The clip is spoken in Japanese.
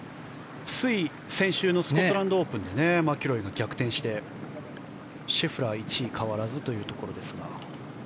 つい先週のスコットランドオープンでマキロイが逆転してシェフラー１位変わらずというところですが。